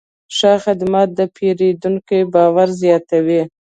ښه خدمت د پیرودونکي باور زیاتوي.